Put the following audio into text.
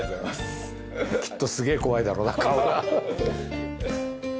きっとすげえ怖いだろうな顔が。